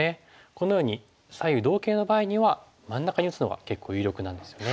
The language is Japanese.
このように左右同形の場合には真ん中に打つのが結構有力なんですよね。